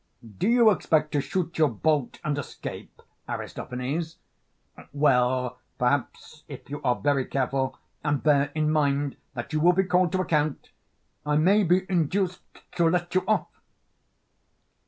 Do you expect to shoot your bolt and escape, Aristophanes? Well, perhaps if you are very careful and bear in mind that you will be called to account, I may be induced to let you off.